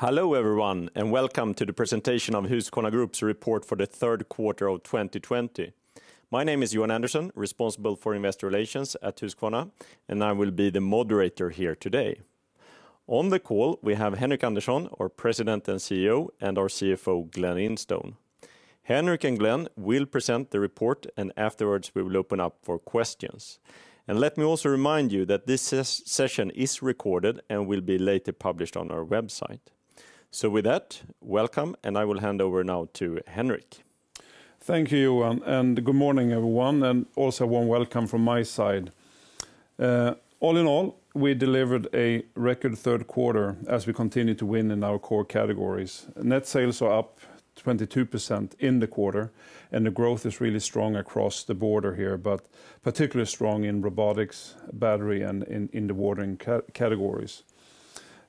Hello, everyone, welcome to the presentation of Husqvarna Group's report for the third quarter of 2020. My name is Johan Andersson, responsible for investor relations at Husqvarna, and I will be the moderator here today. On the call, we have Henric Andersson, our President and CEO, and our CFO, Glen Instone. Henric and Glen will present the report, and afterwards we will open up for questions. Let me also remind you that this session is recorded and will be later published on our website. With that, welcome, and I will hand over now to Henric. Thank you, Johan. Good morning, everyone, also a warm welcome from my side. All in all, we delivered a record third quarter as we continue to win in our core categories. Net sales are up 22% in the quarter, the growth is really strong across the board here, particularly strong in robotics, battery, and in the watering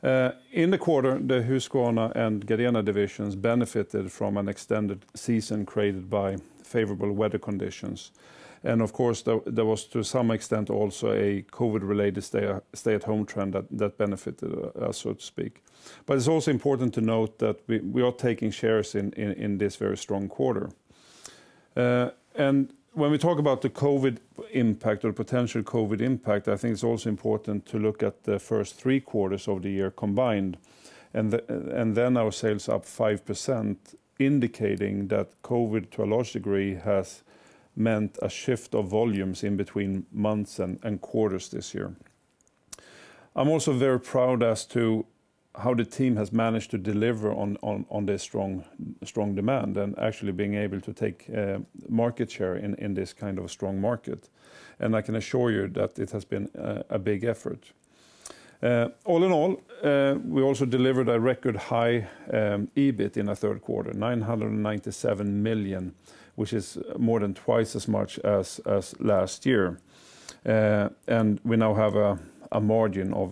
categories. In the quarter, the Husqvarna and Gardena divisions benefited from an extended season created by favorable weather conditions. Of course, there was to some extent also a COVID-related stay-at-home trend that benefited us, so to speak. It's also important to note that we are taking shares in this very strong quarter. When we talk about the COVID impact or potential COVID impact, I think it's also important to look at the first three quarters of the year combined. Our sales are up 5%, indicating that COVID, to a large degree, has meant a shift of volumes in between months and quarters this year. I'm also very proud as to how the team has managed to deliver on this strong demand and actually being able to take market share in this kind of a strong market. I can assure you that it has been a big effort. All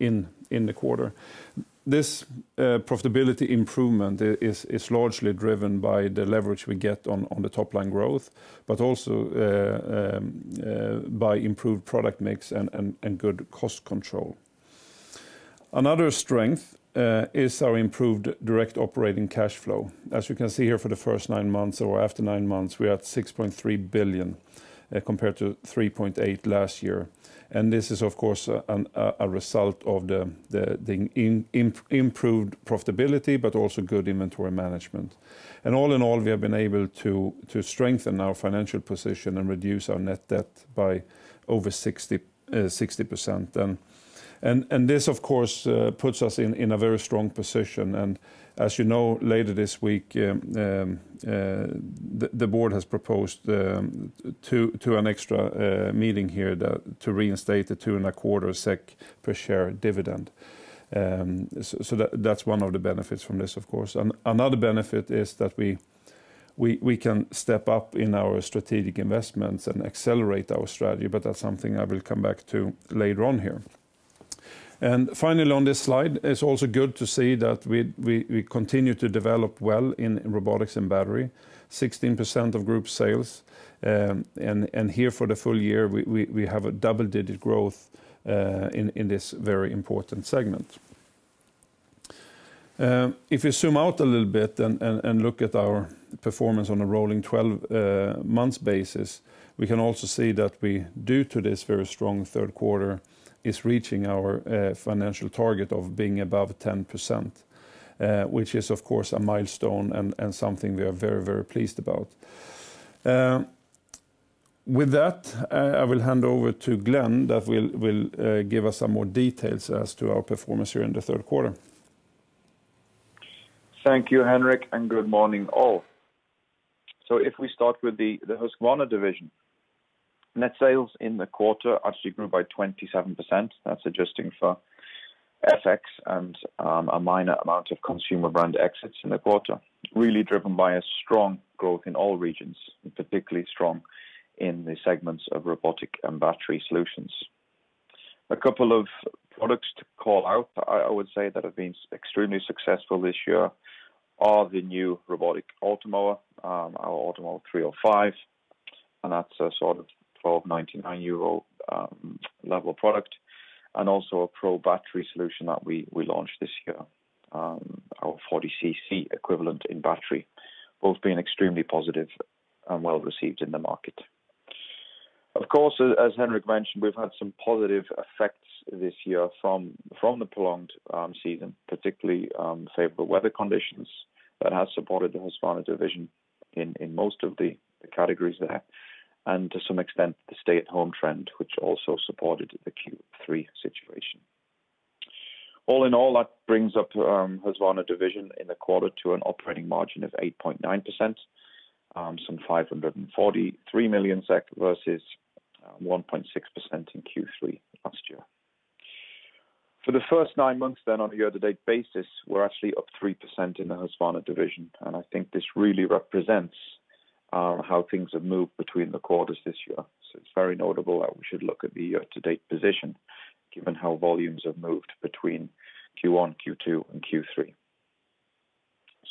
in all, we also delivered a record high EBIT in the slide, it's also good to see that we continue to develop well in robotics and battery, 16% of group sales. Here for the full year, we have a double-digit growth in this very important segment. If you zoom out a little bit and look at our performance on a rolling 12-month basis, we can also see that we, due to this very strong third quarter, is reaching our financial target of being above 10%, which is, of course, a milestone and something we are very, very pleased about. With that, I will hand over to Glen, that will give us some more details as to our performance here in the third quarter. Thank you, Henric, and good morning all. If we start with the Husqvarna division, net sales in the quarter actually grew by 27%. That's adjusting for FX and a minor amount of consumer brand exits in the quarter, really driven by a strong growth in all regions, and particularly strong in the segments of robotic and battery solutions. A couple of products to call out, I would say, that have been extremely successful this year are the new robotic Automower, our Automower 305, and that's a sort of 1,299 euro level product, and also a pro battery solution that we launched this year, our 40cc equivalent in battery. Both been extremely positive and well-received in the market. Of course, as Henric mentioned, we've had some positive effects this year from the prolonged season, particularly favorable weather conditions that have supported the Husqvarna Division in most of the categories there, and to some extent, the stay-at-home trend, which also supported the Q3 situation. All in all, that brings up Husqvarna Division in the quarter to an operating margin of 8.9%, some 543 million SEK versus 1.6% in Q3 last year. For the first nine months on a year-to-date basis, we're actually up 3% in the Husqvarna Division. I think this really represents how things have moved between the quarters this year. It's very notable that we should look at the year-to-date position given how volumes have moved between Q1, Q2, and Q3.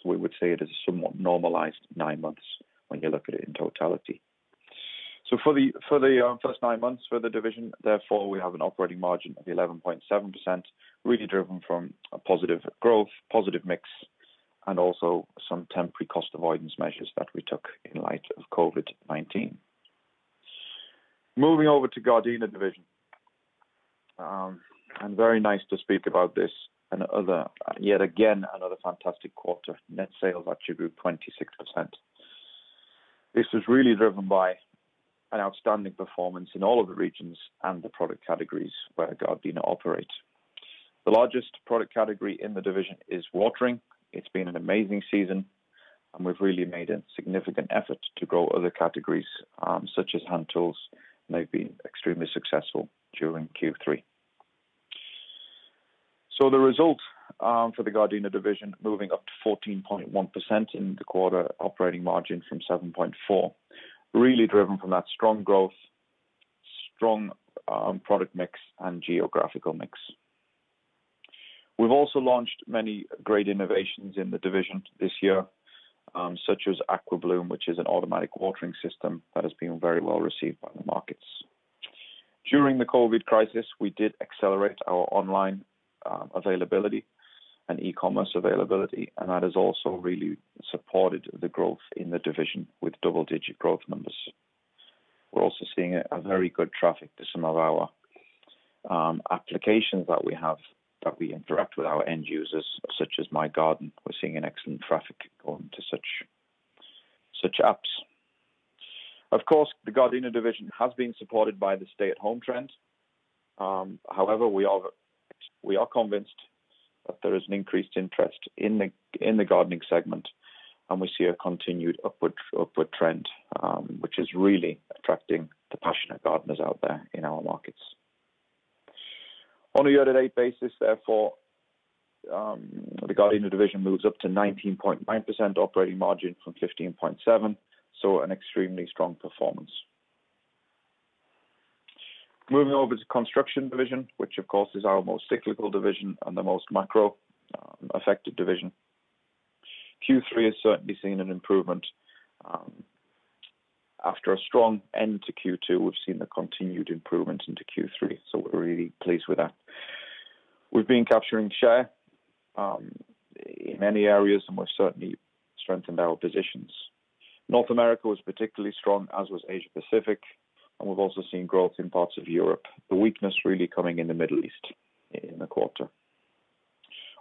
We would say it is a somewhat normalized nine months when you look at it in totality. For the first nine months for the division, therefore, we have an operating margin of 11.7%, really driven from a positive growth, positive mix, and also some temporary cost avoidance measures that we took in light of COVID-19. Moving over to Gardena Division. Very nice to speak about this, and yet again, another fantastic quarter. Net sales attributes 26%. This was really driven by an outstanding performance in all of the regions and the product categories where Gardena operates. The largest product category in the division is watering. It's been an amazing season and we've really made a significant effort to grow other categories, such as hand tools, and they've been extremely successful during Q3. The results for the Gardena Division, moving up to 14.1% in the quarter operating margin from 7.4%, really driven from that strong growth, strong product mix, and geographical mix. We've also launched many great innovations in the division this year, such as AquaBloom, which is an automatic watering system that has been very well received by the markets. During the COVID crisis, we did accelerate our online availability and e-commerce availability, and that has also really supported the growth in the division with double-digit growth numbers. We're also seeing a very good traffic to some of our applications that we have that we interact with our end users, such as myGarden. We're seeing an excellent traffic onto such apps. Of course, the Gardena Division has been supported by the stay-at-home trend. However, we are convinced that there is an increased interest in the gardening segment, and we see a continued upward trend, which is really attracting the passionate gardeners out there in our markets. On a year-to-date basis, therefore, the Gardena Division moves up to 19.9% operating margin from 15.7%, so an extremely strong performance. Moving over to Construction Division, which of course is our most cyclical division and the most macro-affected division. Q3 has certainly seen an improvement. After a strong end to Q2, we've seen the continued improvement into Q3, so we're really pleased with that. We've been capturing share in many areas, and we've certainly strengthened our positions. North America was particularly strong, as was Asia Pacific, and we've also seen growth in parts of Europe. The weakness really coming in the Middle East in the quarter.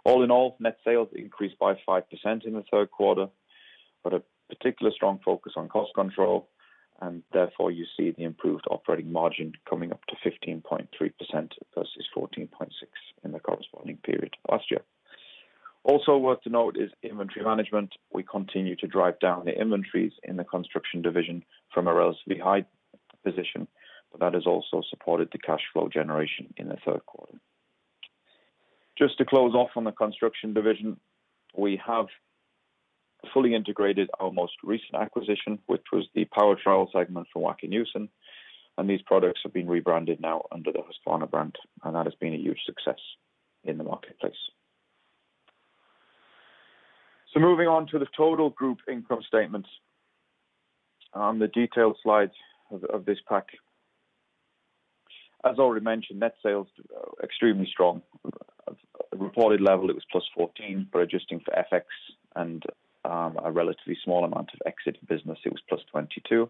All in all, net sales increased by 5% in the third quarter, but a particular strong focus on cost control, and therefore you see the improved operating margin coming up to 15.3% versus 14.6% in the corresponding period last year. Also worth to note is inventory management. We continue to drive down the inventories in the Construction Division from a relatively high position. That has also supported the cash flow generation in the third quarter. Just to close off on the Construction Division, we have fully integrated our most recent acquisition, which was the power trowel segment from Wacker Neuson. These products have been rebranded now under the Husqvarna brand. That has been a huge success in the marketplace. Moving on to the total group income statement on the detailed slides of this pack. As already mentioned, net sales, extremely strong. Reported level, it was +14%. Adjusting for FX and a relatively small amount of exited business, it was +22%.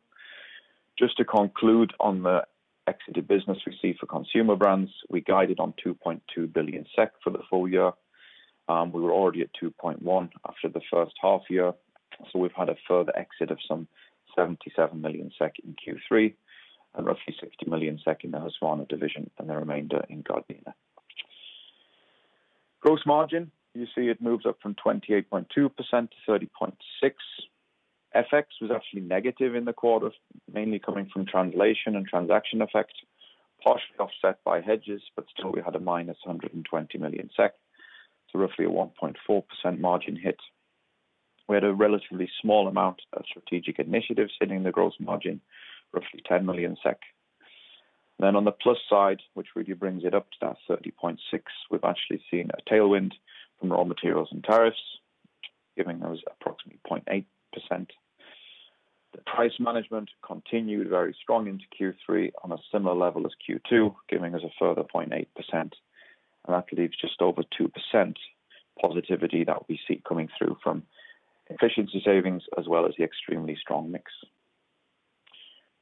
Just to conclude on the exited business we see for consumer brands, we guided on 2.2 billion SEK for the full year. We were already at 2.1 billion after the first half-year, so we've had a further exit of some 77 million SEK in Q3, and roughly 60 million SEK in the Husqvarna Division and the remainder in Gardena. Gross margin, you see it moves up from 28.2% to 30.6%. FX was actually negative in the quarter, mainly coming from translation and transaction effects, partially offset by hedges, but still we had a -120 million SEK, so roughly a 1.4% margin hit. We had a relatively small amount of strategic initiatives hitting the gross margin, roughly 10 million SEK. On the plus side, which really brings it up to that 30.6%, we've actually seen a tailwind from raw materials and tariffs, giving us approximately 0.8%. The price management continued very strong into Q3 on a similar level as Q2, giving us a further 0.8%, and that leaves just over 2% positivity that we see coming through from efficiency savings as well as the extremely strong mix.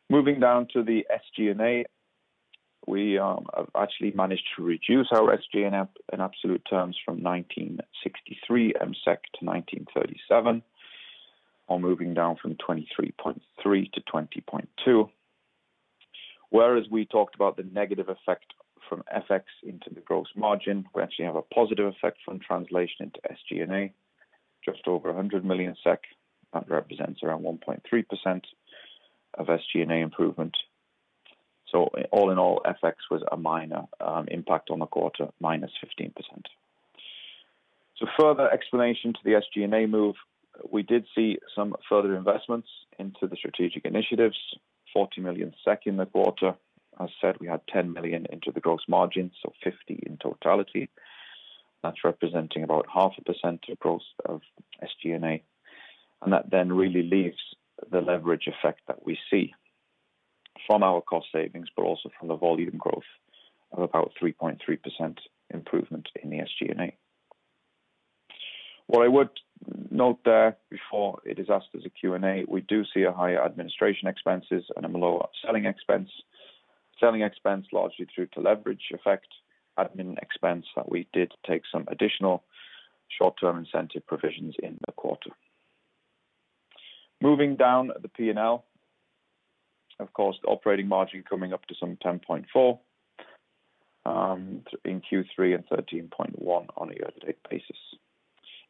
Moving down to the SG&A. We have actually managed to reduce our SG&A in absolute terms from 1,963 million to 1,937 million, or moving down from 23.3% to 20.2%. Whereas we talked about the negative effect from FX into the gross margin, we actually have a positive effect from translation into SG&A, just over 100 million SEK. That represents around 1.3% of SG&A improvement. All in all, FX was a minor impact on the quarter, -15%. Further explanation to the SG&A move, we did see some further investments into the strategic initiatives, 40 million SEK in the quarter. As said, we had 10 million into the gross margin, so 50 in totality. That's representing about 0.5% of gross of SG&A, that then really leaves the leverage effect that we see from our cost savings, but also from the volume growth of about 3.3% improvement in the SG&A. What I would note there before it is asked as a Q&A, we do see a higher administration expenses and a lower selling expense. Selling expense largely due to leverage effect, admin expense that we did take some additional short-term incentive provisions in the quarter. Moving down the P&L. Of course, the operating margin coming up to some 10.4% in Q3 and 13.1% on a year-to-date basis.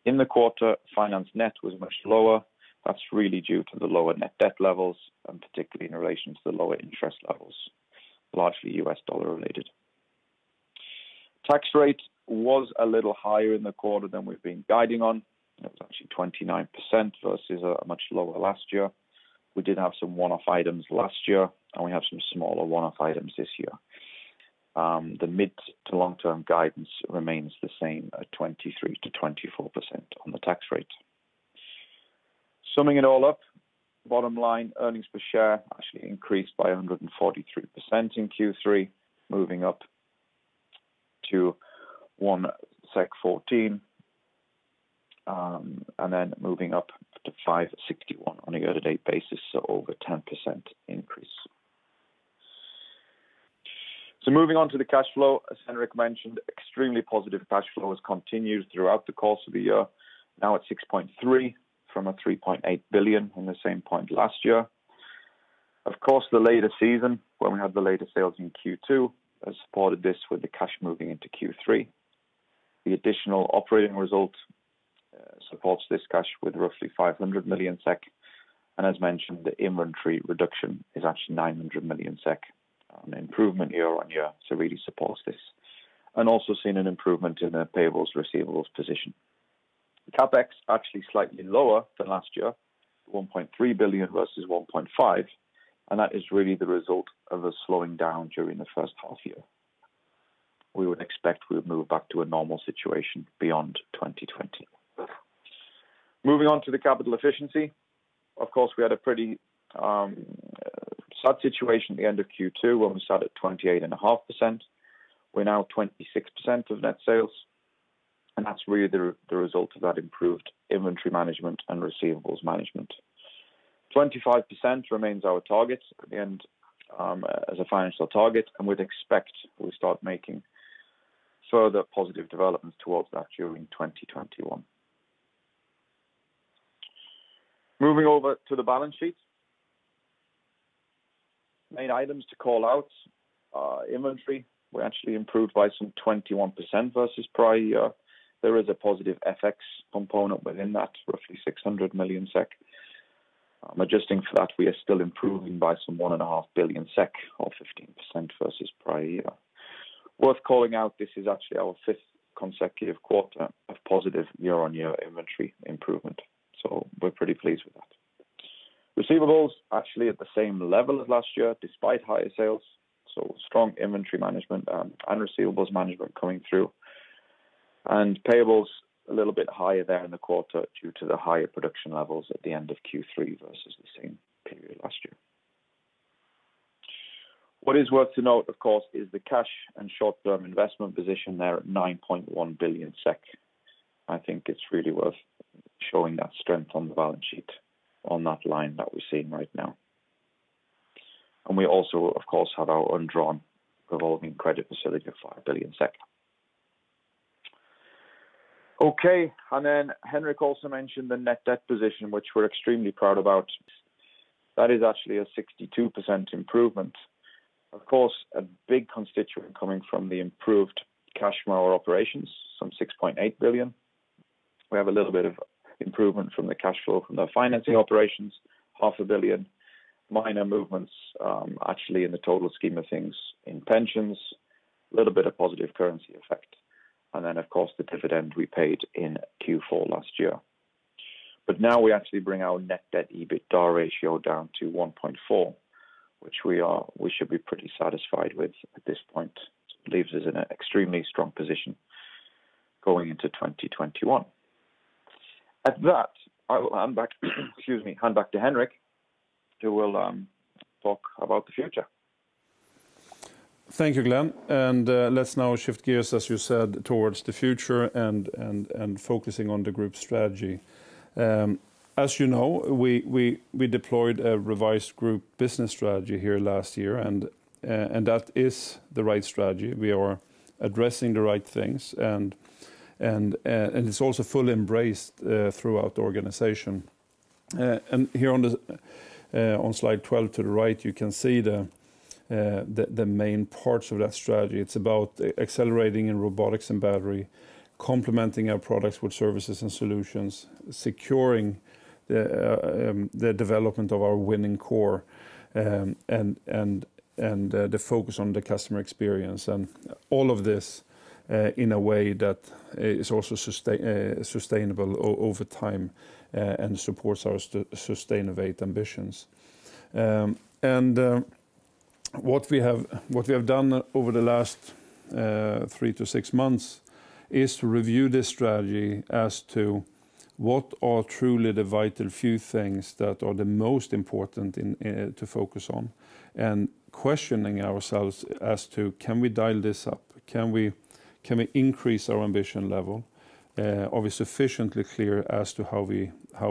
In the quarter, finance net was much lower. That's really due to the lower net debt levels, particularly in relation to the lower interest levels, largely US dollar related. Tax rate was a little higher in the quarter than we've been guiding on. It was actually 29% versus a much lower last year. We did have some one-off items last year. We have some smaller one-off items this year. The mid to long-term guidance remains the same at 23%-24% on the tax rate. Summing it all up, bottom line, earnings per share actually increased by 143% in Q3, moving up to 1.4. Moving up to 5.61 on a year-to-date basis, over 10% increase. Moving on to the cash flow, as Henric mentioned, extremely positive cash flow has continued throughout the course of the year. Now at 6.3 billion from 3.8 billion in the same point last year. Of course, the later season, when we had the later sales in Q2, has supported this with the cash moving into Q3. The additional operating result supports this cash with roughly 500 million SEK. As mentioned, the inventory reduction is actually 900 million SEK on improvement year on year, so really supports this. Also seen an improvement in the payables, receivables position. The CapEx actually slightly lower than last year, 1.3 billion versus 1.5 billion. That is really the result of a slowing down during the first half year. We would expect we would move back to a normal situation beyond 2020. Moving on to the capital efficiency. Of course, we had a pretty sad situation at the end of Q2 when we stood 28.5%. We're now 26% of net sales. That's really the result of that improved inventory management and receivables management. 25% remains our target at the end as a financial target. We'd expect we start making further positive developments towards that during 2021. Moving over to the balance sheet. Main items to call out, inventory were actually improved by some 21% versus prior year. There is a positive FX component within that, roughly 600 million SEK. Adjusting for that, we are still improving by some 1.5 billion SEK or 15% versus prior year. Worth calling out, this is actually our fifth consecutive quarter of positive year-on-year inventory improvement. We're pretty pleased with that. Receivables actually at the same level as last year, despite higher sales, strong inventory management and receivables management coming through. Payables a little bit higher there in the quarter due to the higher production levels at the end of Q3 versus the same period last year. What is worth to note, of course, is the cash and short-term investment position there at 9.1 billion SEK. I think it's really worth showing that strength on the balance sheet on that line that we're seeing right now. We also, of course, have our undrawn revolving credit facility of 5 billion. Okay. Then Henric also mentioned the net debt position, which we're extremely proud about. That is actually a 62% improvement. Of course, a big constituent coming from the improved cash from our operations, some 6.8 billion. We have a little bit of improvement from the cash flow from the financing operations, 500 million. Minor movements, actually in the total scheme of things in pensions, a little bit of positive currency effect. Then, of course, the dividend we paid in Q4 last year. Now we actually bring our net debt EBITDA ratio down to 1.4, which we should be pretty satisfied with at this point. This leaves us in an extremely strong position going into 2021. At that, I will hand back to excuse me, hand back to Henric, who will talk about the future. Thank you, Glen. Let's now shift gears, as you said, towards the future and focusing on the group strategy. As you know, we deployed a revised group business strategy here last year, and that is the right strategy. We are addressing the right things, and it's also fully embraced throughout the organization. Here on slide 12 to the right, you can see the main parts of that strategy. It's about accelerating in robotics and battery, complementing our products with services and solutions, securing the development of our winning core, and the focus on the customer experience. All of this, in a way that is also sustainable over time, and supports our Sustainovate ambitions. What we have done over the last three to six months is to review this strategy as to what are truly the vital few things that are the most important to focus on, and questioning ourselves as to can we dial this up? Can we increase our ambition level? Are we sufficiently clear as to how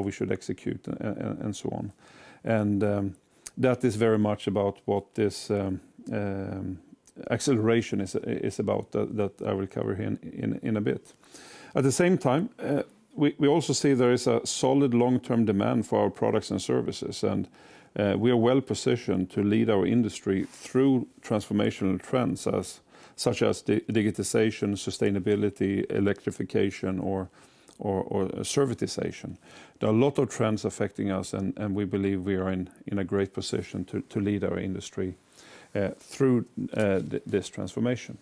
we should execute, and so on? That is very much about what this acceleration is about that I will cover here in a bit. At the same time, we also see there is a solid long-term demand for our products and services, and we are well-positioned to lead our industry through transformational trends such as digitization, sustainability, electrification, or servitization. There are a lot of trends affecting us, and we believe we are in a great position to lead our industry through this transformation.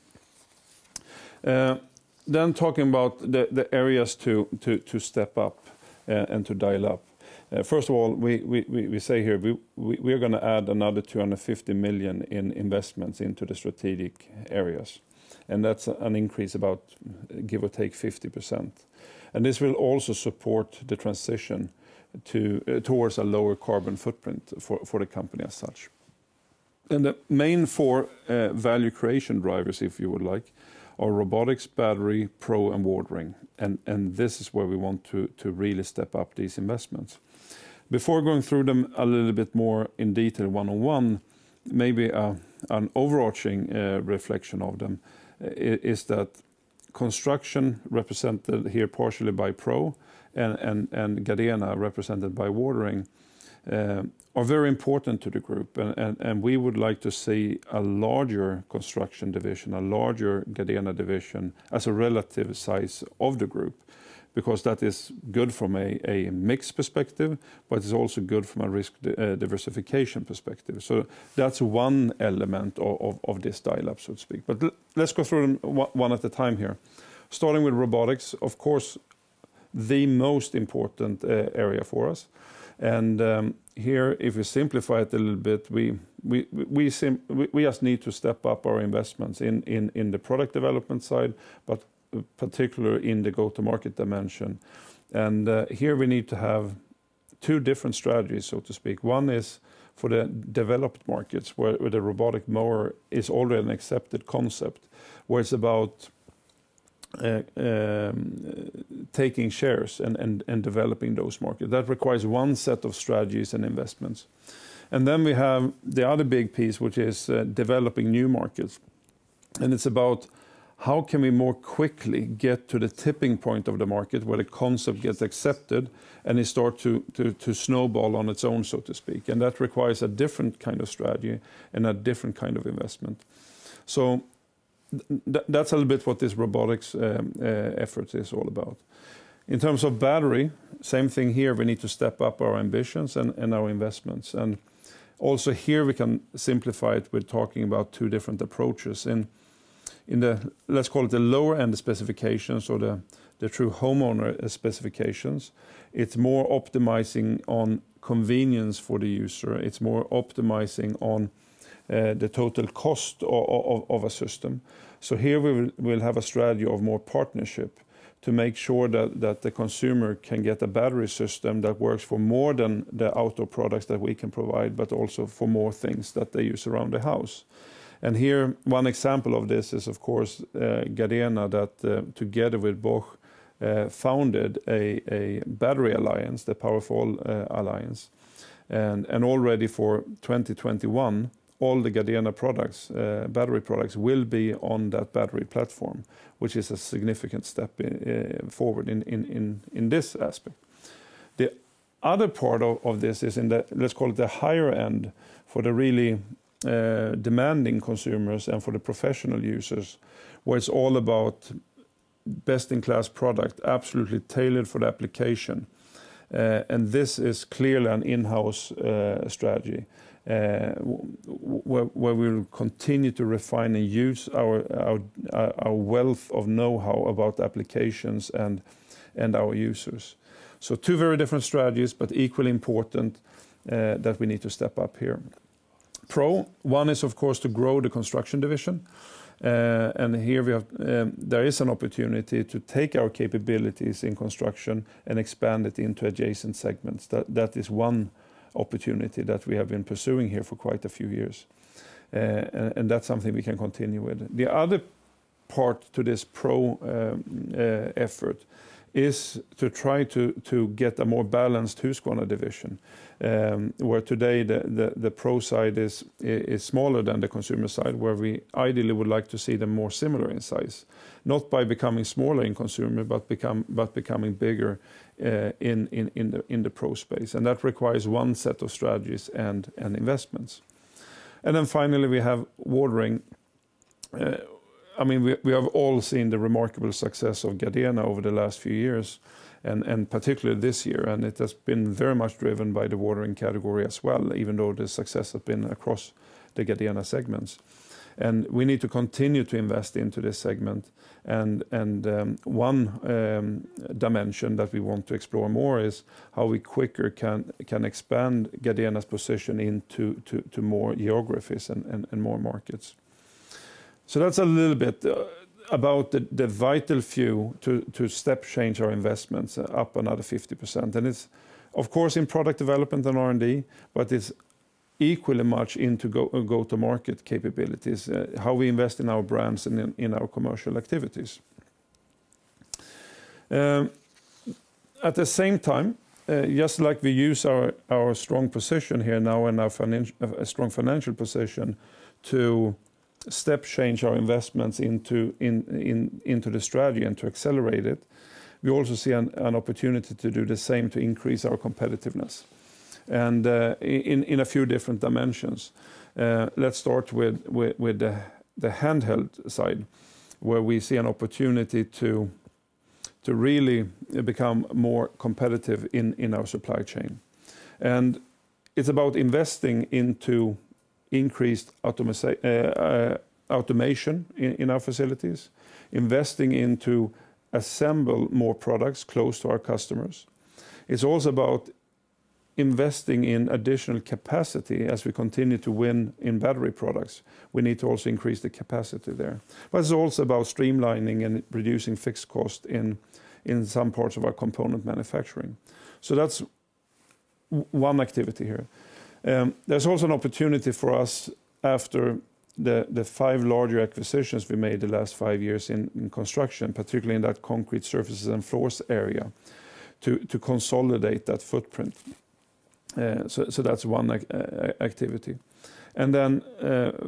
Talking about the areas to step up and to dial up. First of all, we say here, we are going to add another 250 million in investments into the strategic areas, and that's an increase about, give or take, 50%. This will also support the transition towards a lower carbon footprint for the company as such. The main four value creation drivers, if you would like, are robotics, battery, PRO, and watering, and this is where we want to really step up these investments. Before going through them a little bit more in detail one-on-one, maybe an overarching reflection of them is that Construction, represented here partially by PRO, and Gardena, represented by watering, are very important to the group, and we would like to see a larger Construction Division, a larger Gardena Division as a relative size of the group. That is good from a mixed perspective, it's also good from a risk diversification perspective. That's one element of this dial-up, so to speak. Let's go through them one at a time here. Starting with robotics, of course, the most important area for us, here, if we simplify it a little bit, we just need to step up our investments in the product development side, particular in the go-to-market dimension. Here we need to have two different strategies, so to speak. One is for the developed markets, where the robotic mower is already an accepted concept, where it's about taking shares and developing those markets. That requires one set of strategies and investments. Then we have the other big piece, which is developing new markets. It's about how can product, absolutely tailored for the application. This is clearly an in-house strategy, where we'll continue to refine and use our wealth of knowhow about applications and our users. Two very different strategies, but equally important that we need to step up here. One is, of course, to grow the Construction Division. Here there is an opportunity to take our capabilities in construction and expand it into adjacent segments. That is one opportunity that we have been pursuing here for quite a few years, and that's something we can continue with. The other part to this PRO effort is to try to get a more balanced Husqvarna division, where today the PRO side is smaller than the consumer side, where we ideally would like to see them more similar in size. Not by becoming smaller in consumer, but becoming bigger in the PRO space. That requires one set of strategies and investments. Finally, we have watering. We have all seen the remarkable success of Gardena over the last few years, and particularly this year, and it has been very much driven by the watering category as well, even though the success has been across the Gardena segments. We need to continue to invest into this segment. One dimension that we want to explore more is how we quicker can expand Gardena's position into more geographies and more markets. That's a little bit about the vital few to step change our investments up another 50%. It's of course, in product development and R&D, but it's equally much into go-to-market capabilities, how we invest in our brands and in our commercial activities. At the same time, just like we use our strong position here now and our strong financial position to step change our investments into the strategy and to accelerate it, we also see an opportunity to do the same to increase our competitiveness and in a few different dimensions. Let's start with the handheld side, where we see an opportunity to really become more competitive in our supply chain. It's about investing into increased automation in our facilities, investing into assemble more products close to our customers. It's also about investing in additional capacity as we continue to win in battery products, we need to also increase the capacity there. It's also about streamlining and reducing fixed cost in some parts of our component manufacturing. That's one activity here. There's also an opportunity for us after the five larger acquisitions we made the last five years in construction, particularly in that concrete surfaces and floors area, to consolidate that footprint.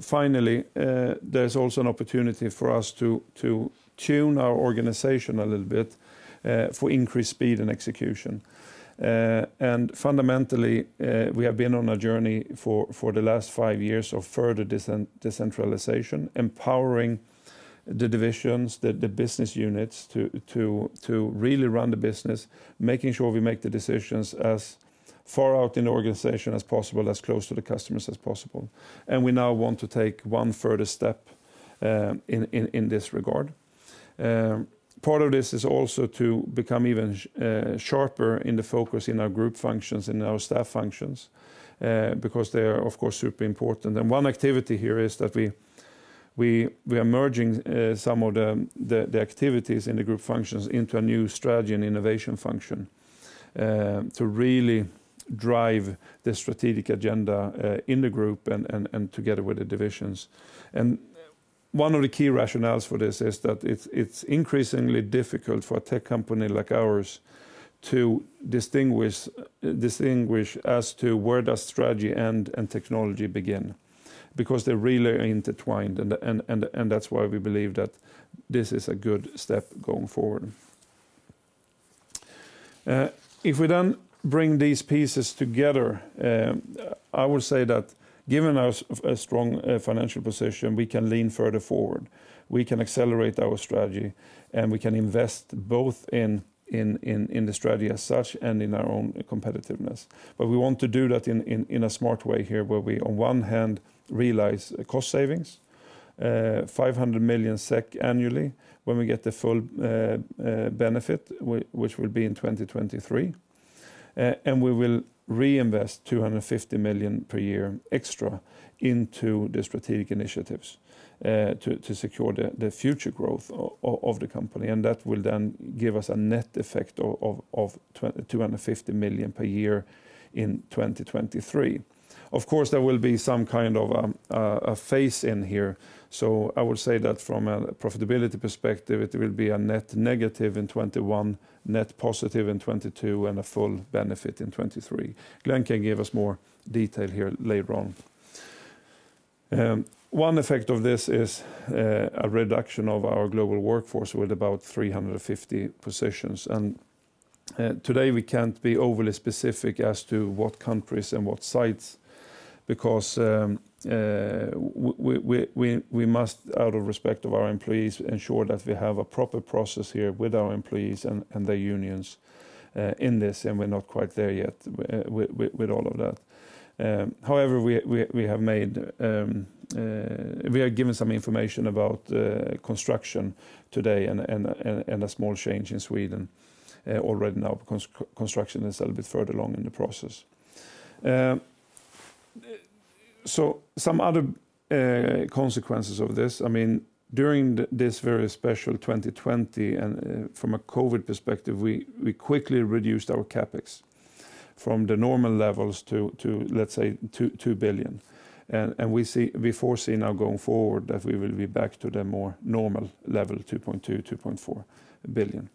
Finally, there's also an opportunity for us to tune our organization a little bit, for increased speed and execution. Fundamentally, we have been on a journey for the last five years of further decentralization, empowering the divisions, the business units to really run the business, making sure we make the decisions as far out in the organization as possible, as close to the customers as possible. We now want to take one further step in this regard. Part of this is also to become even sharper in the focus in our group functions and our staff functions, because they are, of course, super important. One activity here is that we are merging some of the activities in the group functions into a new Strategy and Innovation Function, to really drive the strategic agenda in the group and together with the divisions. One of the key rationales for this is that it's increasingly difficult for a tech company like ours to distinguish as to where does strategy end and technology begin? Because they really are intertwined, and that's why we believe that this is a good step going forward. If we bring these pieces together, I would say that given our strong financial position, we can lean further forward. We can accelerate our strategy, and we can invest both in the strategy as such and in our own competitiveness. We want to do that in a smart way here, where we on one hand realize cost savings, 500 million SEK annually when we get the full benefit, which will be in 2023. We will reinvest 250 million per year extra into the strategic initiatives to secure the future growth of the company. That will then give us a net effect of 250 million per year in 2023. Of course, there will be some kind of a phase in here. I would say that from a profitability perspective, it will be a net negative in 2021, net positive in 2022, and a full benefit in 2023. Glen can give us more detail here later on. One effect of this is a reduction of our global workforce with about 350 positions. Today, we can't be overly specific as to what countries and what sites, because we must, out of respect of our employees, ensure that we have a proper process here with our employees and their unions in this, and we're not quite there yet with all of that. However, we are given some information about Construction today and a small change in Sweden already now. Construction is a little bit further along in the process. Some other consequences of this, during this very special 2020 and from a COVID perspective, we quickly reduced our CapEx from the normal levels to, let's say, 2 billion. We foresee now going forward that we will be back to the more normal level, 2.2 billion, 2.4 billion.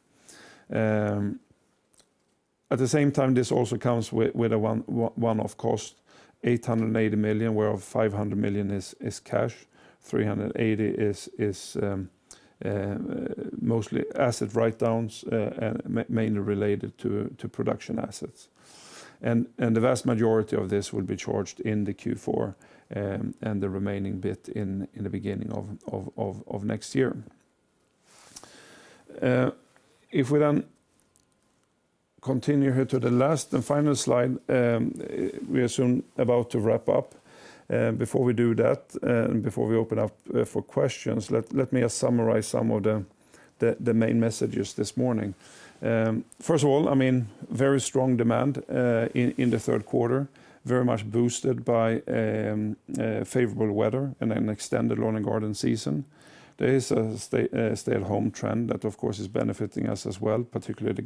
At the same time, this also comes with a one-off cost, 880 million, whereof 500 million is cash, 380 million is mostly asset write-downs, and mainly related to production assets. The vast majority of this will be charged in the Q4, and the remaining bit in the beginning of next year. We continue here to the last and final slide, we are soon about to wrap up. Before we do that, before we open up for questions, let me summarize some of the main messages this morning. First of all, very strong demand in the third quarter, very much boosted by favorable weather and an extended lawn and garden season. There is a stay-at-home trend that, of course, is benefiting us as well, particularly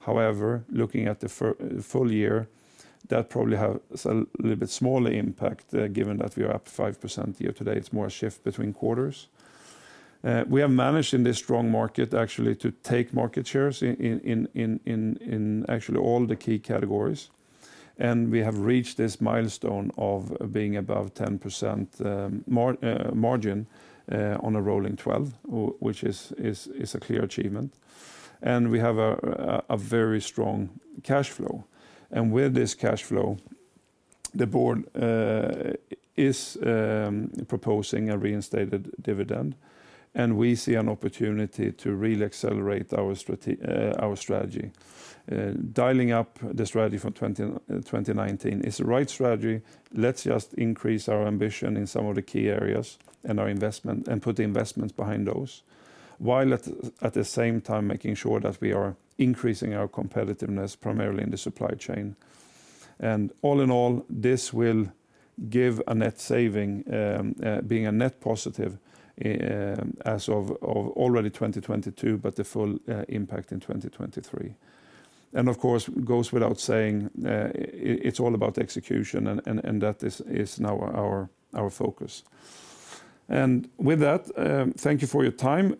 the Gardena. However, looking at the full year, that probably has a little bit smaller impact given that we are up 5% year to date. It's more a shift between quarters. We have managed, in this strong market, actually, to take market shares in all the key categories. We have reached this milestone of being above 10% margin on a rolling 12, which is a clear achievement. We have a very strong cash flow. With this cash flow, the board is proposing a reinstated dividend, and we see an opportunity to really accelerate our strategy. Dialing up the strategy for 2019 is the right strategy. Let's just increase our ambition in some of the key areas and our investment, and put the investments behind those, while at the same time making sure that we are increasing our competitiveness, primarily in the supply chain. All in all, this will give a net saving, being a net positive as of already 2022, but the full impact in 2023. Of course, it goes without saying, it's all about execution, and that is now our focus. With that, thank you for your time.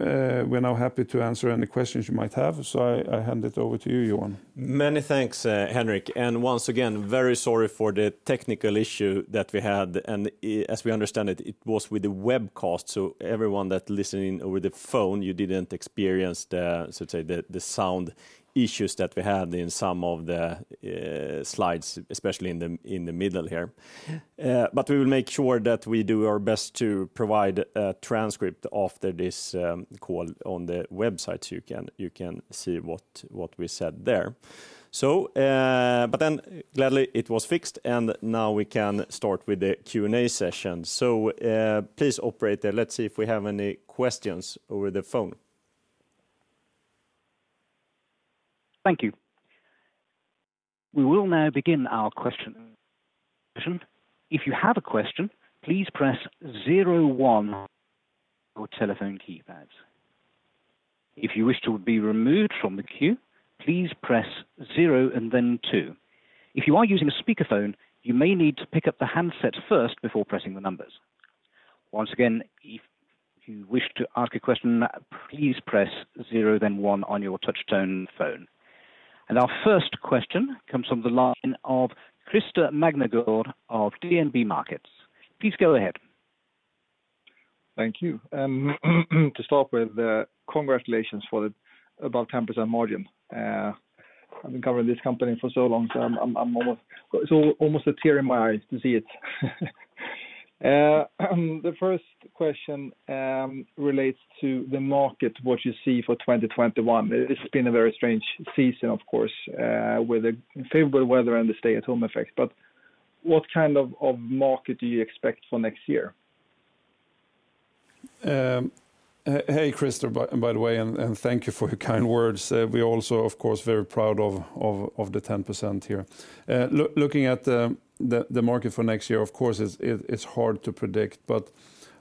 We're now happy to answer any questions you might have. I hand it over to you, Johan. Many thanks, Henric. Once again, very sorry for the technical issue that we had. As we understand it was with the webcast. Everyone that listened in over the phone, you didn't experience the sound issues that we had in some of the slides, especially in the middle here. We will make sure that we do our best to provide a transcript after this call on the website, you can see what we said there. Gladly it was fixed, now we can start with the Q&A session. Please, operator, let's see if we have any questions over the phone. Our first question comes from the line of Christer Magnergård of DNB Markets. Please go ahead. Thank you. To start with, congratulations for the above 10% margin. I've been covering this company for so long, so it's almost a tear in my eyes to see it. The first question relates to the market, what you see for 2021. It's been a very strange season, of course, with the favorable weather and the stay-at-home effect. What kind of market do you expect for next year? Hey, Christer, by the way, and thank you for your kind words. We're also, of course, very proud of the 10% here. Looking at the market for next year, of course, it's hard to predict, but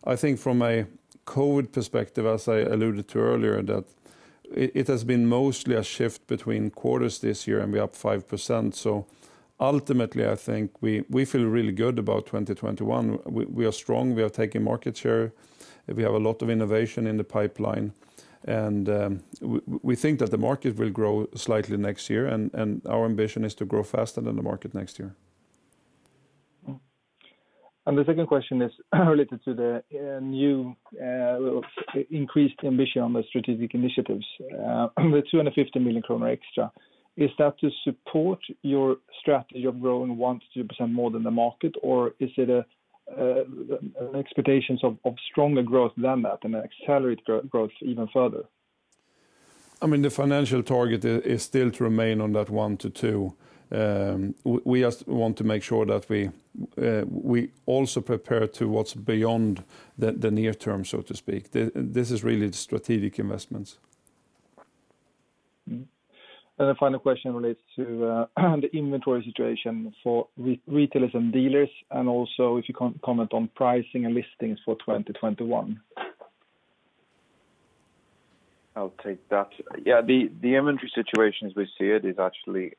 I think from a COVID perspective, as I alluded to earlier, that it has been mostly a shift between quarters this year, and we're up 5%. Ultimately, I think we feel really good about 2021. We are strong. We are taking market share. We have a lot of innovation in the pipeline, and we think that the market will grow slightly next year, and our ambition is to grow faster than the market next year. The second question is related to the new increased ambition on the strategic initiatives, the 250 million kronor extra. Is that to support your strategy of growing 1%-2% more than the market, or is it expectations of stronger growth than that, and accelerate growth even further? The financial target is still to remain on that one to two. We just want to make sure that we also prepare to what's beyond the near term, so to speak. This is really the strategic investments. The final question relates to the inventory situation for retailers and dealers, and also if you can comment on pricing and listings for 2021. I'll take that. The inventory situation as we see it is actually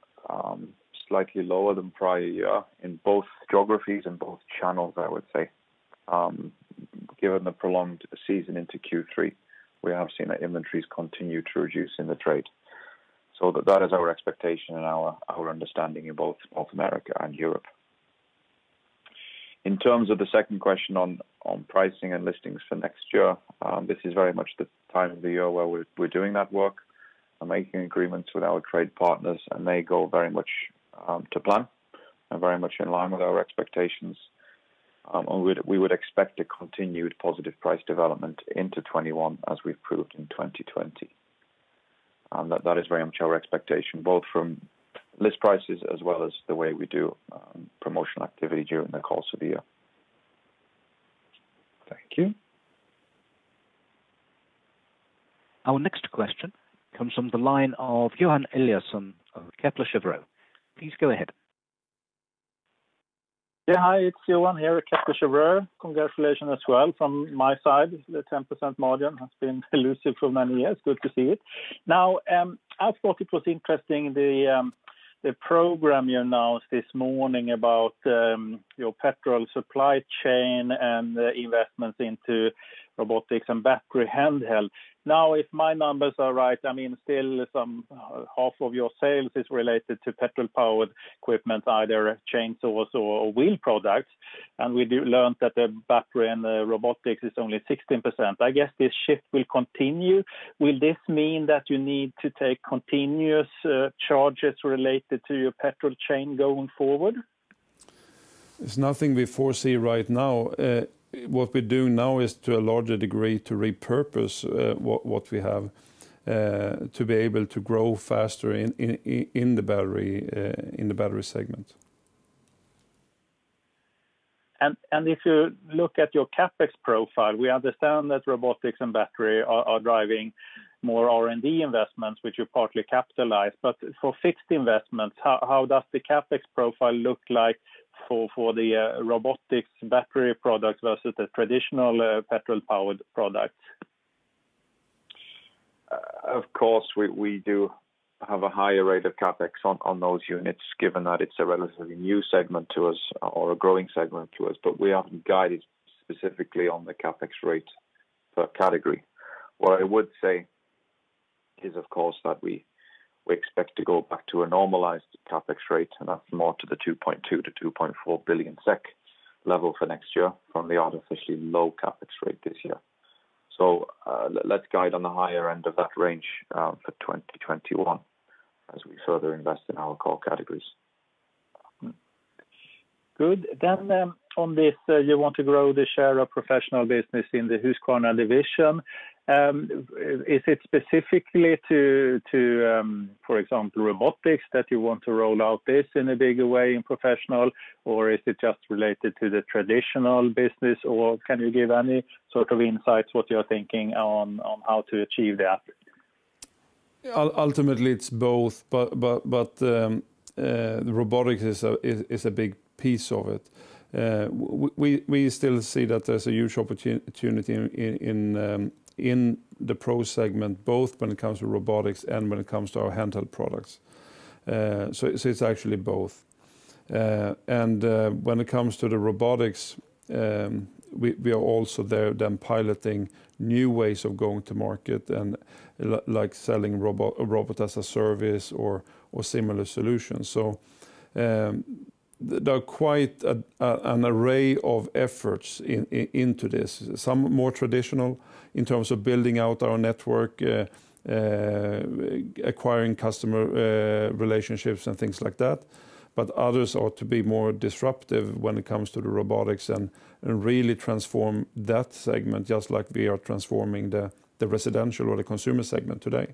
slightly lower than prior year in both geographies and both channels, I would say. Given the prolonged season into Q3, we have seen that inventories continue to reduce in the trade. That is our expectation and our understanding in both North America and Europe. In terms of the second question on pricing and listings for next year, this is very much the time of the year where we're doing that work and making agreements with our trade partners, and they go very much to plan and very much in line with our expectations. We would expect a continued positive price development into 2021 as we've proved in 2020. That is very much our expectation, both from list prices as well as the way we do promotional activity during the course of the year. Thank you. Our next question comes from the line of Johan Eliason of Kepler Cheuvreux. Please go ahead. Yeah. Hi, it's Johan here at Kepler Cheuvreux. Congratulations as well from my side. The 10% margin has been elusive for many years. Good to see it. I thought it was interesting the program you announced this morning about your petrol supply chain and the investments into robotics and battery-handheld. If my numbers are right, still some half of your sales is related to petrol-powered equipment, either chainsaws or wheel products, and we do learn that the battery and the robotics is only 16%. I guess this shift will continue. Will this mean that you need to take continuous charges related to your petrol chain going forward? It's nothing we foresee right now. What we do now is to a larger degree to repurpose what we have to be able to grow faster in the battery segment. If you look at your CapEx profile, we understand that robotics and battery are driving more R&D investments, which you partly capitalize. For fixed investments, how does the CapEx profile look like for the robotics battery products versus the traditional petrol powered products? Of course, we do have a higher rate of CapEx on those units, given that it's a relatively new segment to us or a growing segment to us. We haven't guided specifically on the CapEx rate per category. What I would say is, of course, that we expect to go back to a normalized CapEx rate, and that's more to the 2.2 billion-2.4 billion SEK level for next year from the artificially low CapEx rate this year. Let's guide on the higher end of that range for 2021 as we further invest in our core categories. Good. On this, you want to grow the share of professional business in the Husqvarna division. Is it specifically to, for example, robotics that you want to roll out this in a bigger way in professional, or is it just related to the traditional business, or can you give any sort of insights what you're thinking on how to achieve the outcome? Ultimately it's both, but robotics is a big piece of it. We still see that there's a huge opportunity in the pro segment, both when it comes to robotics and when it comes to our handheld products. It's actually both. When it comes to the robotics, we are also there then piloting new ways of go-to-market and like selling robot as a service or similar solutions. There are quite an array of efforts into this, some more traditional in terms of building out our network, acquiring customer relationships and things like that, but others ought to be more disruptive when it comes to the robotics and really transform that segment, just like we are transforming the residential or the consumer segment today.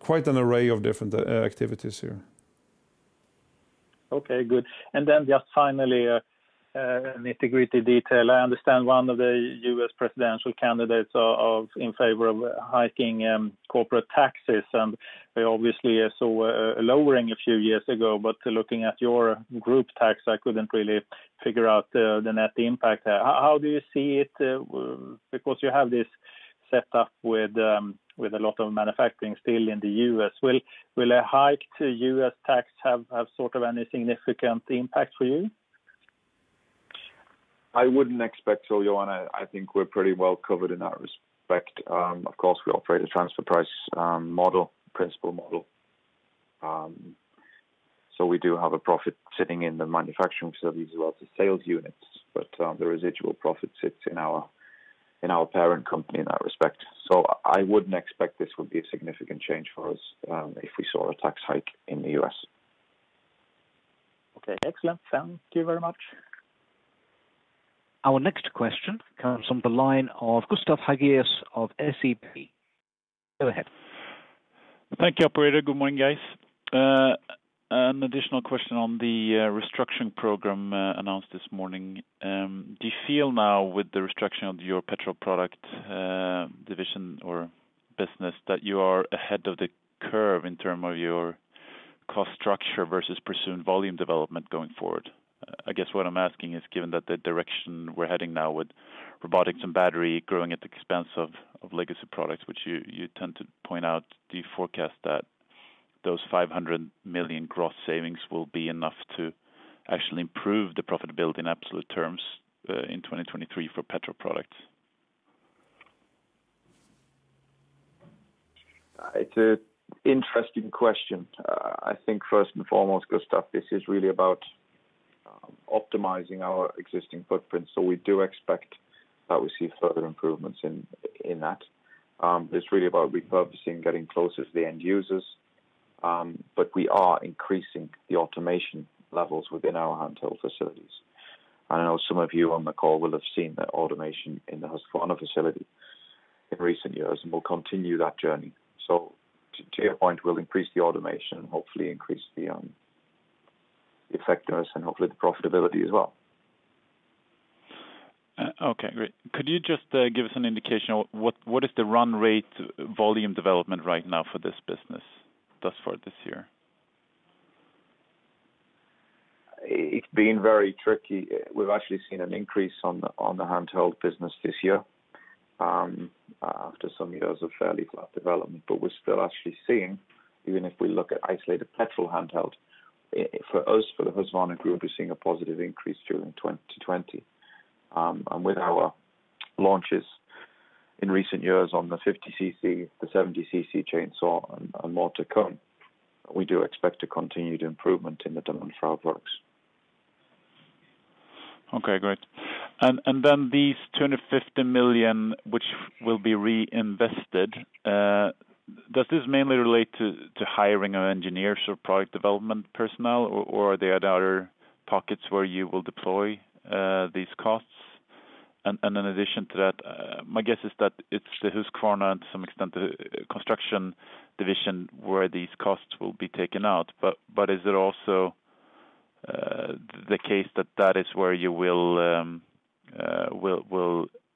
Quite an array of different activities here. Okay, good. Just finally, nitty-gritty detail. I understand one of the U.S. presidential candidates are in favor of hiking corporate taxes, and we obviously saw a lowering a few years ago. Looking at your group tax, I couldn't really figure out the net impact there. How do you see it? You have this set up with a lot of manufacturing still in the U.S. Will a hike to U.S. tax have sort of any significant impact for you? I wouldn't expect so, Johan. I think we're pretty well covered in that respect. Of course, we operate a transfer price model, principle model. We do have a profit sitting in the manufacturing facilities as well as the sales units, but the residual profit sits in our parent company in that respect. I wouldn't expect this would be a significant change for us if we saw a tax hike in the U.S. Okay, excellent. Thank you very much. Our next question comes from the line of Gustav Hagéus of SEB. Go ahead. Thank you, operator. Good morning, guys. An additional question on the restructuring program announced this morning. Do you feel now with the restructuring of your petrol product division or business, that you are ahead of the curve in terms of your cost structure versus pursuing volume development going forward? I guess what I'm asking is, given that the direction we're heading now with robotics and battery growing at the expense of legacy products, which you tend to point out, do you forecast that those 500 million gross savings will be enough to actually improve the profitability in absolute terms in 2023 for petrol products? It's an interesting question. I think first and foremost, Gustav, this is really about optimizing our existing footprint. We do expect that we see further improvements in that. It's really about repurposing, getting closer to the end users. We are increasing the automation levels within our handheld facilities. I know some of you on the call will have seen the automation in the Husqvarna facility in recent years, and we'll continue that journey. To your point, we'll increase the automation and hopefully increase the effectiveness and hopefully the profitability as well. Okay, great. Could you just give us an indication of what is the run rate volume development right now for this business thus far this year? It's been very tricky. We've actually seen an increase on the handheld business this year, after some years of fairly flat development. We're still actually seeing, even if we look at isolated petrol handheld, for us, for the Husqvarna Group, we're seeing a positive increase during 2020. With our launches in recent years on the 50cc, the 70cc chainsaw and more to come, we do expect a continued improvement in the demand for our products. Okay, great. These 250 million which will be reinvested, does this mainly relate to hiring of engineers or product development personnel, or are there other pockets where you will deploy these costs? In addition to that, my guess is that it's the Husqvarna and to some extent the Construction Division where these costs will be taken out, but is it also the case that that is where you will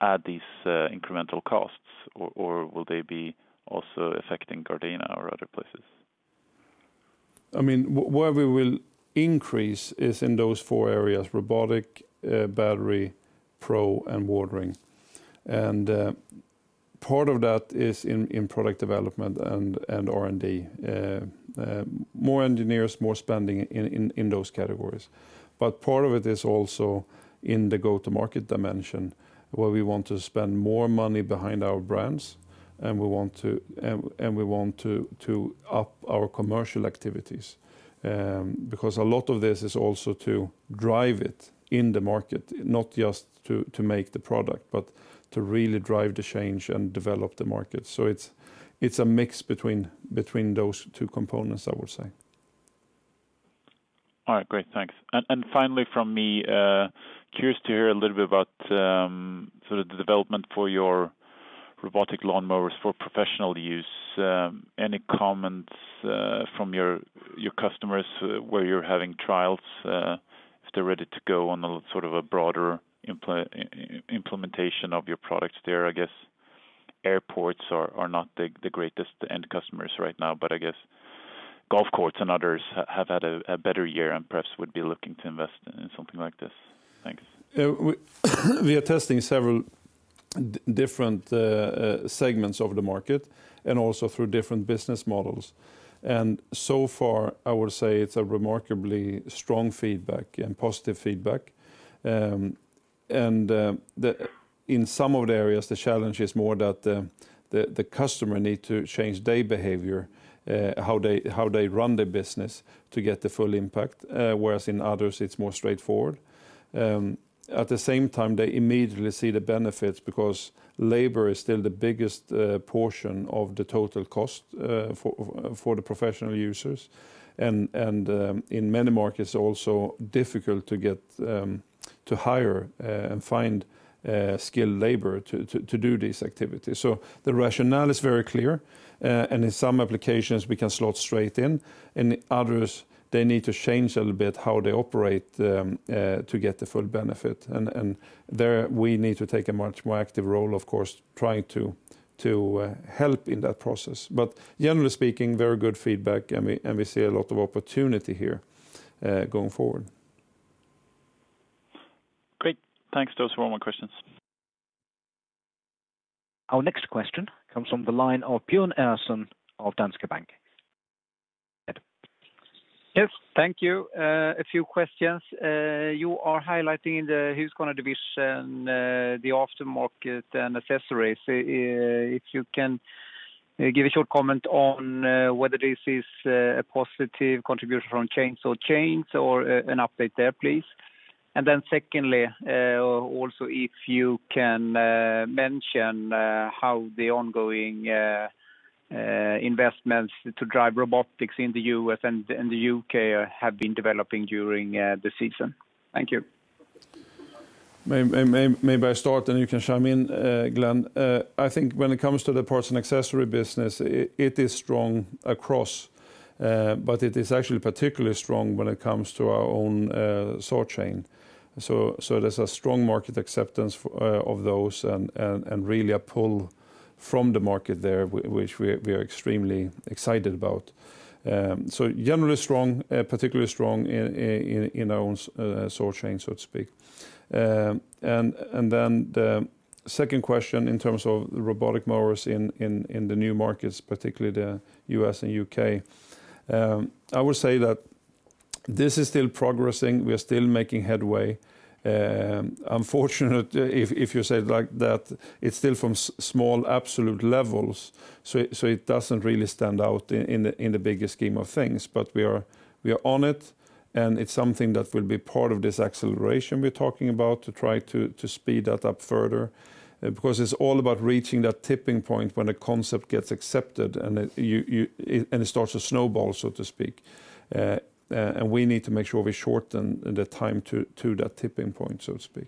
add these incremental costs, or will they be also affecting Gardena or other places? Where we will increase is in those four areas, robotic, battery, pro, and watering. Part of that is in product development and R&D. More engineers, more spending in those categories. Part of it is also in the go-to-market dimension, where we want to spend more money behind our brands, and we want to up our commercial activities. A lot of this is also to drive it in the market, not just to make the product, but to really drive the change and develop the market. It's a mix between those two components, I would say. All right, great. Thanks. Finally from me, curious to hear a little bit about the development for your robotic lawn mowers for professional use. Any comments from your customers where you're having trials, if they're ready to go on a broader implementation of your products there? I guess airports are not the greatest end customers right now, I guess golf courses and others have had a better year and perhaps would be looking to invest in something like this. Thanks. We are testing several different segments of the market and also through different business models. So far, I would say it's a remarkably strong feedback and positive feedback. In some of the areas, the challenge is more that the customer need to change their behavior, how they run their business to get the full impact. Whereas in others, it's more straightforward. At the same time, they immediately see the benefits because labor is still the biggest portion of the total cost for the professional users. In many markets, also difficult to hire and find skilled labor to do these activities. The rationale is very clear, and in some applications, we can slot straight in. In others, they need to change a little bit how they operate to get the full benefit. There we need to take a much more active role, of course, trying to help in that process. Generally speaking, very good feedback, and we see a lot of opportunity here going forward. Great. Thanks. Those were all my questions. Our next question comes from the line of Björn Enarson of Danske Bank. Go ahead. Yes. Thank you. A few questions. You are highlighting the Husqvarna division, the aftermarket, and accessories. If you can give a short comment on whether this is a positive contribution from chainsaw chains or an update there, please. Secondly, also if you can mention how the ongoing investments to drive robotics in the U.S. and the U.K. have been developing during the season. Thank you. Maybe I start, and you can chime in, Glen. I think when it comes to the parts and accessory business, it is strong across, but it is actually particularly strong when it comes to our own saw chain. There's a strong market acceptance of those and really a pull from the market there, which we are extremely excited about. Generally strong, particularly strong in our own saw chain, so to speak. The second question in terms of robotic mowers in the new markets, particularly the U.S. and U.K. I would say that this is still progressing. We are still making headway. Unfortunately, if you say it like that, it's still from small absolute levels, so it doesn't really stand out in the bigger scheme of things. We are on it, and it's something that will be part of this acceleration we're talking about to try to speed that up further. It's all about reaching that tipping point when a concept gets accepted and it starts to snowball, so to speak. We need to make sure we shorten the time to that tipping point, so to speak.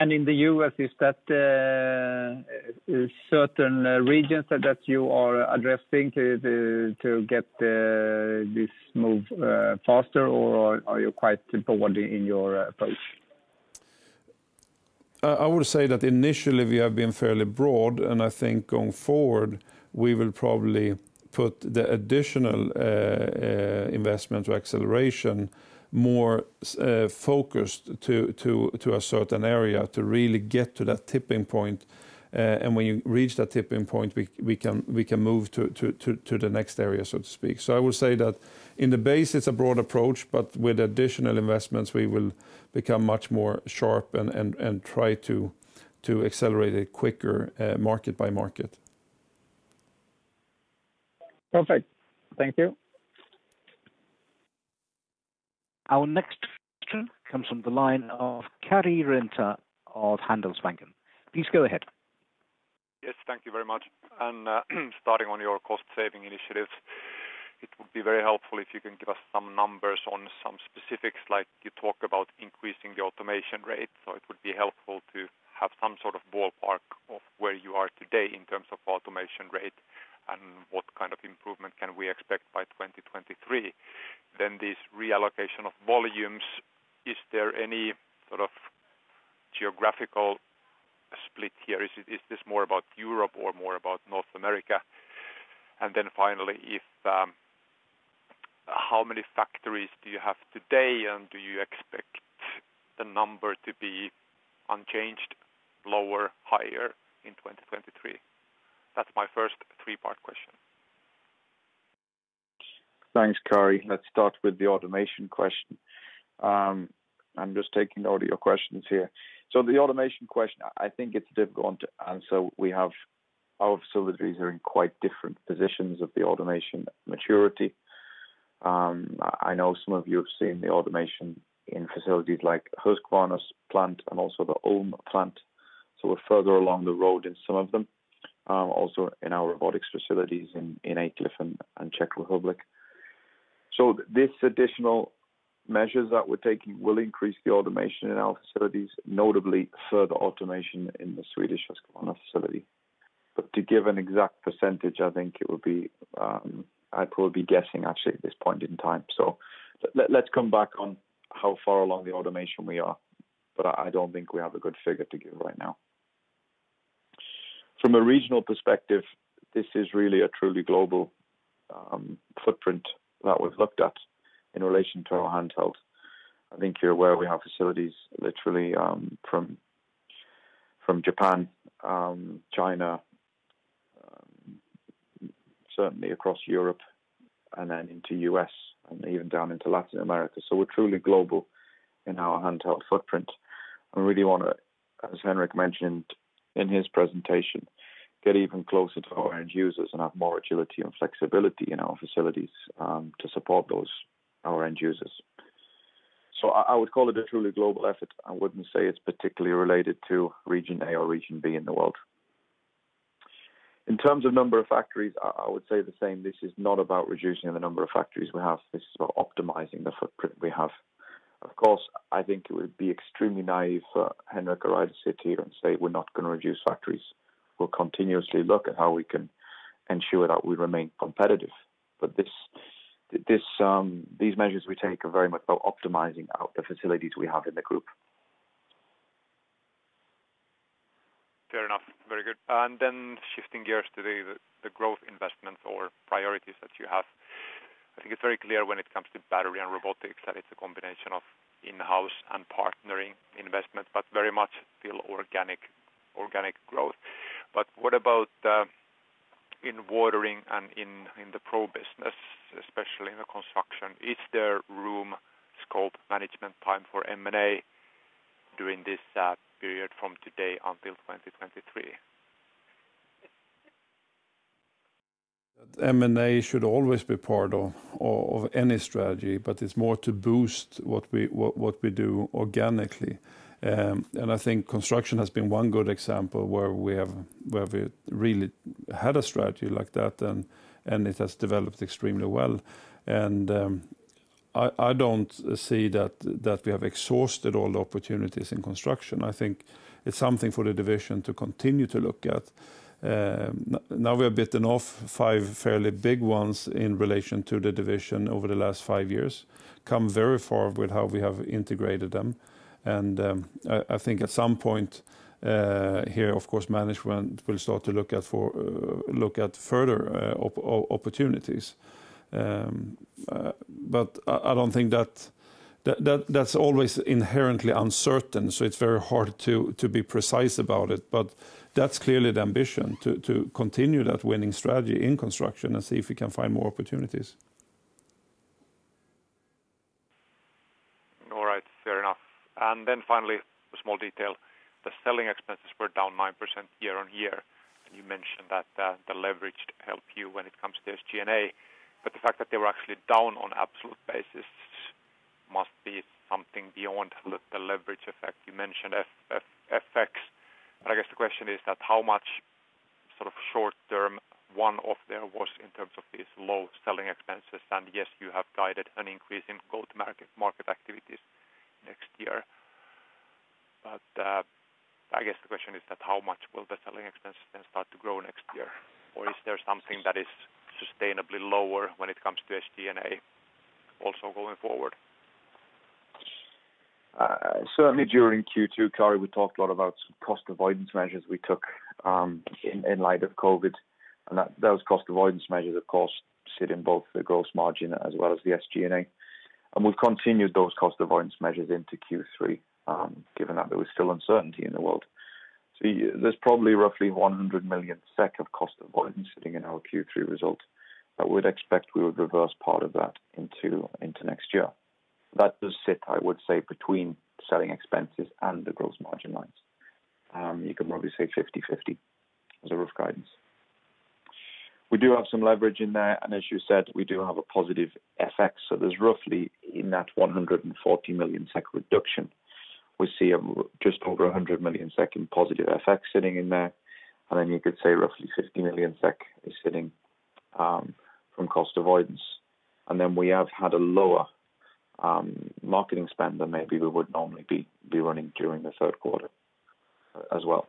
In the U.S., is that certain regions that you are addressing to get this move faster, or are you quite broad in your approach? I would say that initially we have been fairly broad, I think going forward, we will probably put the additional investment or acceleration more focused to a certain area to really get to that tipping point. When you reach that tipping point, we can move to the next area, so to speak. I would say that in the base it's a broad approach, but with additional investments, we will become much more sharp and try to accelerate it quicker market by market. Perfect. Thank you. Our next question comes from the line of Karri Rinta of Handelsbanken. Please go ahead. Yes, thank you very much. Starting on your cost-saving initiatives, it would be very helpful if you can give us some numbers on some specifics. You talk about increasing the automation rate, so it would be helpful to have some sort of ballpark of where you are today in terms of automation rate and what kind of improvement can we expect by 2023. This reallocation of volumes, is there any sort of geographical split here? Is this more about Europe or more about North America? Finally, how many factories do you have today, and do you expect the number to be unchanged, lower, higher in 2023? That's my first three-part question. Thanks, Karri. Let's start with the automation question. I'm just taking note of your questions here. The automation question, I think it's difficult to answer. Our facilities are in quite different positions of the automation maturity. I know some of you have seen the automation in facilities like Huskvarna plant and also the Ulm plant. We're further along the road in some of them, also in our robotics facilities in Aycliffe and Czech Republic. These additional measures that we're taking will increase the automation in our facilities, notably further automation in the Swedish Husqvarna facility. To give an exact percentage, I think I'd probably be guessing actually at this point in time. Let's come back on how far along the automation we are. I don't think we have a good figure to give right now. From a regional perspective, this is really a truly global footprint that we've looked at in relation to our handhelds. I think you're aware we have facilities literally from Japan, China, certainly across Europe, and then into U.S., and even down into Latin America. So we're truly global in our handheld footprint, and really want to, as Henric mentioned in his presentation, get even closer to our end users and have more agility and flexibility in our facilities to support our end users. So I would call it a truly global effort. I wouldn't say it's particularly related to region A or region B in the world. In terms of number of factories, I would say the same. This is not about reducing the number of factories we have. This is about optimizing the footprint we have. Of course, I think it would be extremely naive for Henric or I to sit here and say we're not going to reduce factories. We'll continuously look at how we can ensure that we remain competitive. These measures we take are very much about optimizing out the facilities we have in the Group. Fair enough. Very good. Shifting gears to the growth investments or priorities that you have. I think it's very clear when it comes to battery and robotics that it's a combination of in-house and partnering investment, but very much still organic growth. What about in watering and in the pro business, especially in the Construction? Is there room, scope, management time for M&A during this period from today until 2023? M&A should always be part of any strategy, but it's more to boost what we do organically. I think Construction has been one good example where we really had a strategy like that, and it has developed extremely well. I don't see that we have exhausted all the opportunities in Construction. I think it's something for the Division to continue to look at. We have bitten off five fairly big ones in relation to the Division over the last five years, come very far with how we have integrated them, and I think at some point here, of course, management will start to look at further opportunities. That's always inherently uncertain, so it's very hard to be precise about it. That's clearly the ambition, to continue that winning strategy in Construction and see if we can find more opportunities. Then finally, a small detail, the selling expenses were down 9% year-on-year. You mentioned that the leverage helped you when it comes to SG&A, the fact that they were actually down on absolute basis must be something beyond the leverage effect. You mentioned FX, I guess the question is that how much sort of short term one-off there was in terms of these low selling expenses? Yes, you have guided an increase in go-to-market activities next year. I guess the question is that how much will the selling expenses then start to grow next year? Is there something that is sustainably lower when it comes to SG&A also going forward? Certainly during Q2, Karri, we talked a lot about some cost avoidance measures we took in light of COVID, and those cost avoidance measures, of course, sit in both the gross margin as well as the SG&A. We've continued those cost avoidance measures into Q3, given that there is still uncertainty in the world. There's probably roughly 100 million SEK of cost avoidance sitting in our Q3 results, but we'd expect we would reverse part of that into next year. That does sit, I would say, between selling expenses and the gross margin lines. You could probably say 50/50 as a rough guidance. We do have some leverage in there, and as you said, we do have a positive FX, so there's roughly in that 140 million SEK reduction, we see just over 100 million SEK in positive FX sitting in there. You could say roughly 50 million SEK is sitting from cost avoidance. We have had a lower marketing spend than maybe we would normally be running during the third quarter as well.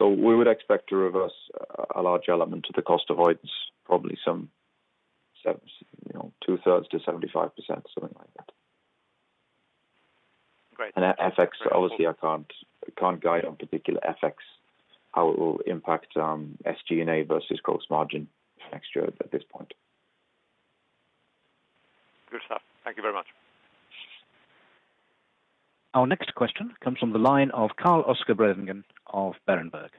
We would expect to reverse a large element of the cost avoidance, probably some two thirds to 75%, something like that. Great. FX, obviously I can't guide on particular FX, how it will impact SG&A versus gross margin next year at this point. Good stuff. Thank you very much. Our next question comes from the line of Carl-Oscar Bredengen of Berenberg.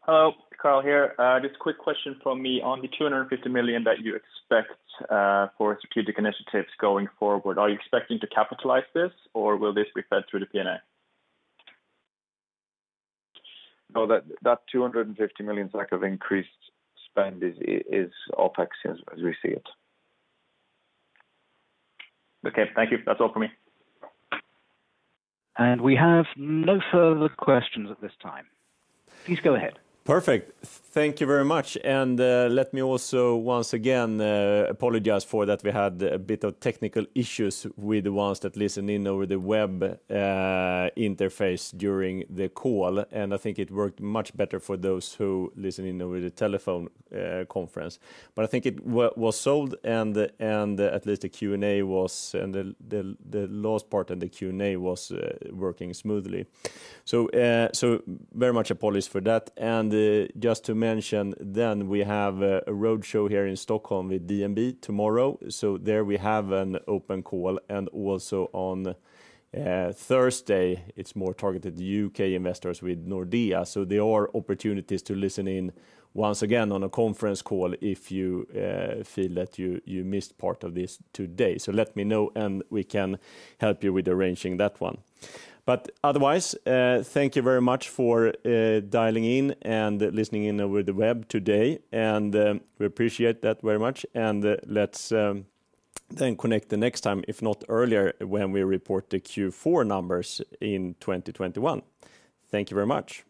Hello, Carl here. Just quick question from me. On the 250 million that you expect for strategic initiatives going forward, are you expecting to capitalize this or will this be fed through the P&L? No, that 250 million of increased spend is OpEx as we see it. Okay, thank you. That's all from me. We have no further questions at this time. Please go ahead. Perfect. Thank you very much. Let me also once again apologize for that we had a bit of technical issues with the ones that listen in over the web interface during the call, and I think it worked much better for those who listen in over the telephone conference. I think it was solved and at least the last part of the Q&A was working smoothly. Very much apologies for that. Just to mention we have a roadshow here in Stockholm with DNB tomorrow, there we have an open call, and also on Thursday it's more targeted U.K. investors with Nordea. There are opportunities to listen in once again on a conference call if you feel that you missed part of this today. Let me know, and we can help you with arranging that one. Otherwise, thank you very much for dialing in and listening in over the web today, and we appreciate that very much. Let's then connect the next time, if not earlier, when we report the Q4 numbers in 2021. Thank you very much.